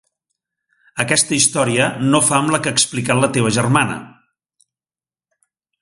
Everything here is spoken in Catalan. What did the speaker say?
Aquesta història no fa amb la que ha explicat la teva germana.